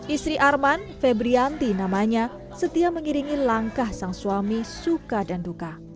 istri arman febrianti namanya setia mengiringi langkah sang suami suka dan duka